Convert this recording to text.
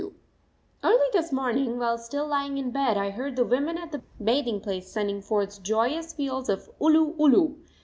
_ Early this morning, while still lying in bed, I heard the women at the bathing place sending forth joyous peals of _Ulu! Ulu!